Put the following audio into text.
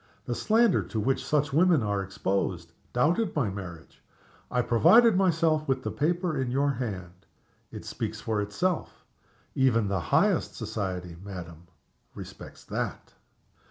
The slander to which such women are exposed doubted my marriage. I provided myself with the paper in your hand. It speaks for itself. Even the highest society, madam, respects _that!